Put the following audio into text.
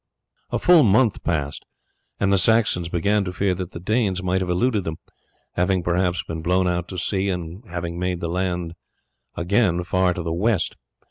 A full month passed and the Saxons began to fear that the Danes might have eluded them, having perhaps been blown out to sea and having made the land again far to the west.